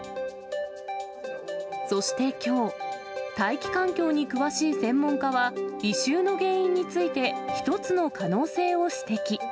そしてきょう、大気環境に詳しい専門家は、異臭の原因について、一つの可能性を指摘。